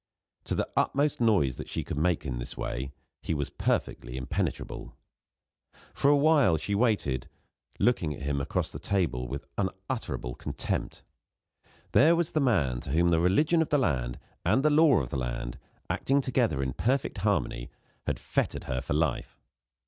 To the utmost noise that she could make in this way, he was perfectly impenetrable. For a while she waited, looking at him across the table with unutterable contempt. There was the man to whom the religion of the land and the law of the land, acting together in perfect harmony, had fettered her for life!